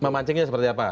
memancingnya seperti apa